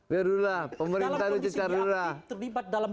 dalam kondisi aktif terlibat dalam